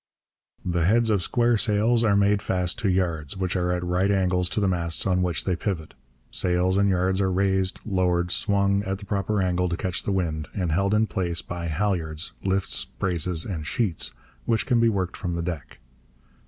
The heads of square sails are made fast to yards, which are at right angles to the masts on which they pivot. Sails and yards are raised, lowered, swung at the proper angle to catch the wind, and held in place by halliards, lifts, braces, and sheets, which can be worked from the deck.